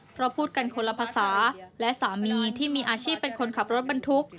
เพราะพูดกันคนละภาษาและสามีที่มีอาชีพเป็นคนขับรถบรรทุก